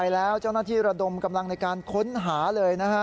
แล้วเจ้าหน้าที่ระดมกำลังในการค้นหาเลยนะฮะ